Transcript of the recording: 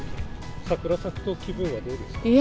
桜咲くと、気分はどうですか？